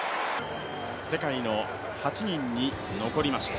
世界の８人に残りました。